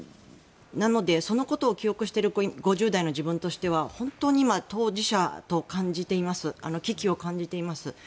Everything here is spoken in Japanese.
なので、そのことを記憶している５０代の自分としては本当に今、当事者として危機を感じています。